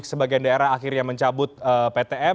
sebagian daerah akhirnya mencabut ptm